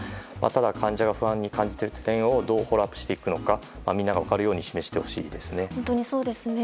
ただ患者が不安に感じている点をどうフォローアップしていくのかみんなが分かるように示してほしいですね。